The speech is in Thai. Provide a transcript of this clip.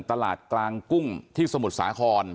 ตลาดกลางกุ้งที่สมุทรสาคร